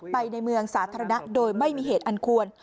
ในเมืองสาธารณะโดยไม่มีเหตุอันควร